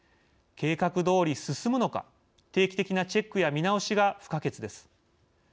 計画どおり進むのか定期的なチェックや見直しが不可欠です。